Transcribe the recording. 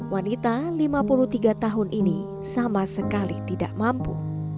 wanita lima puluh tiga tahun ini sama sekali tidak mampu